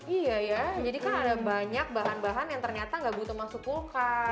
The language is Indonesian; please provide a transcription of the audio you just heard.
iya ya jadi kan ada banyak bahan bahan yang ternyata nggak butuh masuk kulkas